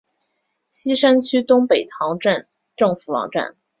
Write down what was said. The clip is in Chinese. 锡山区东北塘镇政府网站